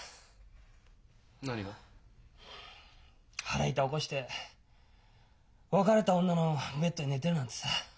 腹痛起こして別れた女のベッドに寝てるなんてさ。